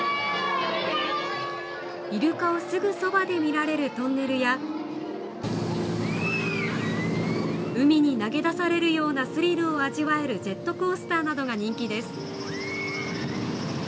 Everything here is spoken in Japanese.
イルカをすぐそばで見られるトンネルや海に投げ出されるようなスリルを味わえるジェットコースターなどが人気です。